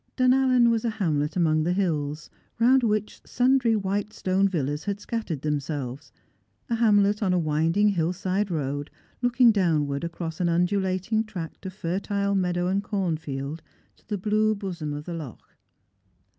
Dunallen was a hamlet among the hills, round which sundry white stone villas had scattered themselves, a hamlet on a winding hill side road looking downward across an undulating tract of fertile meadow and cornfield to the blue bosom of the loch.